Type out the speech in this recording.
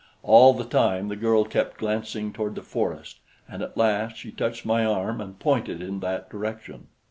All the time the girl kept glancing toward the forest, and at last she touched my arm and pointed in that direction.